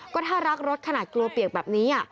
ก็ถ้ารักรถขนาดกลัวเปียกแบบนี้